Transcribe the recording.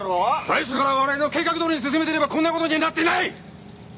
最初から我々の計画どおりに進めていればこんな事にはなっていない！